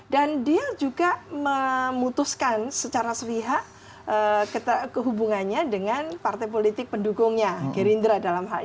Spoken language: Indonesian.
dan dia juga memutuskan secara swihak kehubungannya dengan partai politik pendukungnya gerindra dalam hal ini